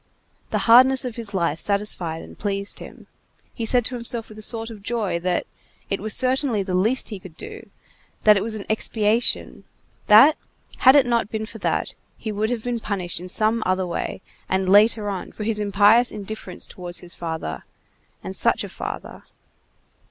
The hardness of his life satisfied and pleased him. He said to himself with a sort of joy that— it was certainly the least he could do; that it was an expiation;—that, had it not been for that, he would have been punished in some other way and later on for his impious indifference towards his father, and such a father!